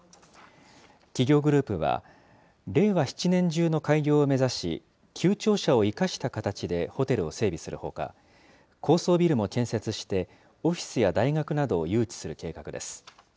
企業グループは、令和７年中の開業を目指し、旧庁舎を生かした形でホテルを整備するほか、高層ビルも建設して、オフィスや大学などを誘致する計画です。